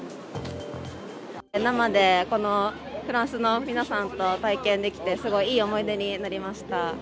生で、このフランスの皆さんと体験できてすごいいい思い出になりました。